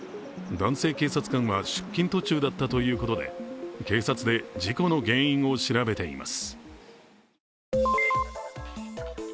男性警察官は出勤途中だったということで警察で事故の原因を調べています。